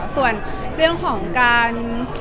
ส่วนเรื่องของการ